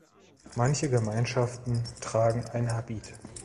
Manche Gemeinschaften tragen einen Habit.